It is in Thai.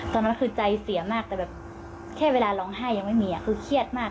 ตอนนั้นคือใจเสียมากแต่แบบแค่เวลาร้องไห้ยังไม่มีคือเครียดมาก